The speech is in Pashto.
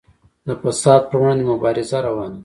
د فساد پر وړاندې مبارزه روانه ده